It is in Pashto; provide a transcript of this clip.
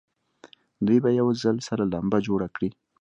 دوی به په یوه ځل سره لمبه جوړه کړي.